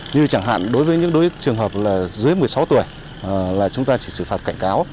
như chẳng hạn đối với những đối trường hợp là dưới một mươi sáu tuổi là chúng ta chỉ xử phạt cảnh cáo